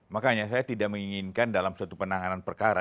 makanya saya tidak menginginkan dalam suatu penanganan perkara